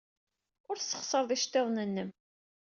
Ur tesxeṣred iceḍḍiḍen-nnem.